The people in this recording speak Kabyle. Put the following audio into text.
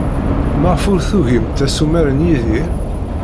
Maɣef ay tugimt assumer n Yidir?